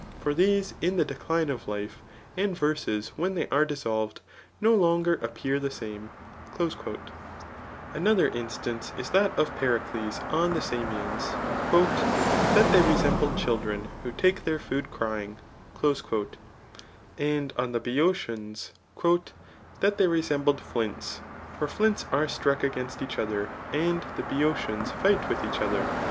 For these m the decline of life, and verses when they are dissolved, no longer appear the same/' Another instance is that of Pericles on the Samians, ^* That they resembled children, who take thdr food crying/' And on the Boeotians, ^' That they resembled flints ; for flipts are struck against each other, and the Boeotians fight witk each other."